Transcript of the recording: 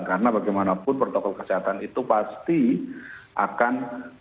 karena bagaimanapun protokol kesehatan itu pasti akan